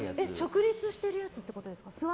直立してるやつってことですか。